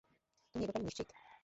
তুমি এ ব্যাপারে নিশ্চিত?